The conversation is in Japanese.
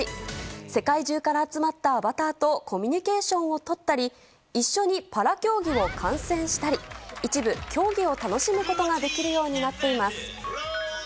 世界中から集まったアバターとコミュニケーションをとったり一緒にパラ競技を観戦したり一部競技を楽しむことができるようになっています。